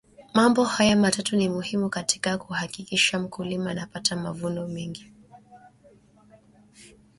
mambo haya matatu ni muhimu katika kuhakikisha mmkulima anapata mavuno mengi